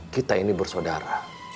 kita ini bersaudara